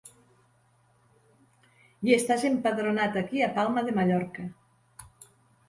I estàs empadronat aquí a Palma de Mallorca.